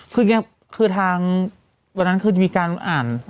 คือทางวันนั้นคือมีการอ่าน